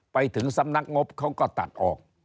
ไปถึงสำนักงบเขาก็ตัดออก